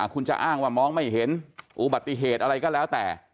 คุณจะอ้างว่ามองไม่เห็นอุบัติเหตุอะไรก็แล้วแต่